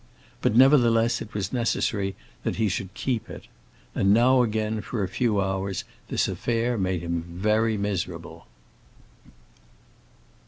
But nevertheless it was necessary that he should keep it. And now again for a few hours this affair made him very miserable.